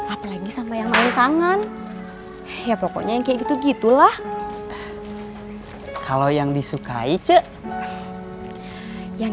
apalagi sama yang main tangan ya pokoknya kayak gitu gitulah kalau yang disukai ceh yang